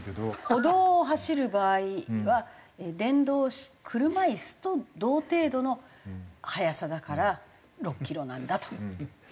歩道を走る場合は電動車椅子と同程度の速さだから６キロなんだと。